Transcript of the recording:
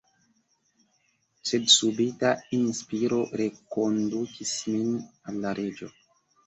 Sed subita inspiro rekondukis min al la Reĝo.